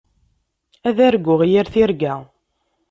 Ad arguɣ yir tirga.